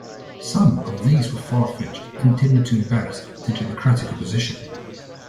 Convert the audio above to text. Some of these were far-fetched, intended to embarrass the Democratic opposition.